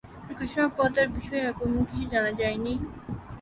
এই ঘোষণার পর তার বিষয়ে আর তেমন কিছু জানা যায়নি।